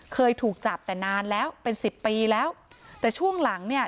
เคยถูกจับแต่นานแล้วเป็นสิบปีแล้วแต่ช่วงหลังเนี่ย